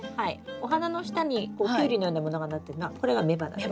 お花の下にキュウリのようなものがなってるのはこれが雌花です。